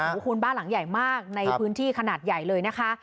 โอ้โหคุณบ้านหลังใหญ่มากในพื้นที่ขนาดใหญ่เลยนะคะ